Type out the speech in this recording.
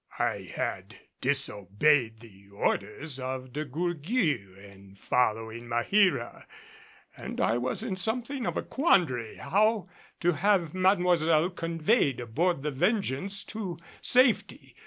I had disobeyed the orders of De Gourgues in following Maheera, and I was in something of a quandary how to have Mademoiselle conveyed aboard the Vengeance, to safety.